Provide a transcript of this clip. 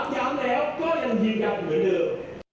ถามย้ำแล้วก็ยังหินย้ำเหมือนเดิม